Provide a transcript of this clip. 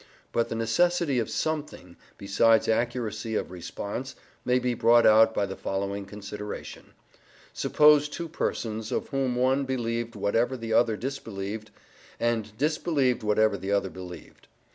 But the necessity of SOMETHING besides accuracy of response may be brought out by the following consideration: Suppose two persons, of whom one believed whatever the other disbelieved, and disbelieved whatever the other believed.